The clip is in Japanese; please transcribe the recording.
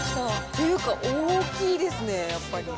というか大きいですね、やっぱり。